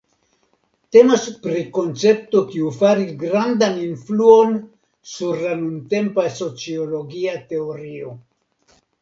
Temas pri koncepto kiu faris grandan influon sur la nuntempa sociologia teorio.